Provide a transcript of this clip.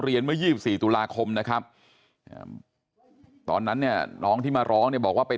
เมื่อ๒๔ตุลาคมนะครับตอนนั้นเนี่ยน้องที่มาร้องเนี่ยบอกว่าไป